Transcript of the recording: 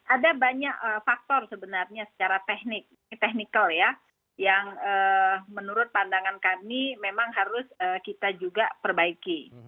ada banyak faktor sebenarnya secara teknikal ya yang menurut pandangan kami memang harus kita juga perbaiki